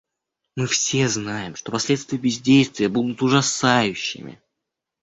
Мы все знаем, что последствия бездействия будут ужасающими.